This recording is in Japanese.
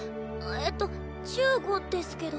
えっと１５ですけど。